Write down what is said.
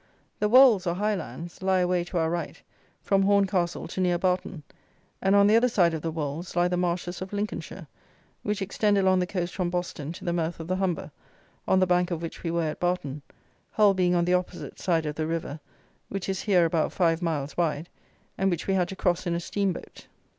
The Wolds, or high lands, lie away to our right, from Horncastle to near Barton; and on the other side of the Wolds lie the Marshes of Lincolnshire, which extend along the coast from Boston to the mouth of the Humber, on the bank of which we were at Barton, Hull being on the opposite side of the river, which is here about five miles wide, and which we had to cross in a steam boat.